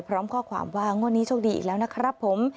พร้อมข้อความว่างวดนี้โชคดีอีกแล้วนะครับผม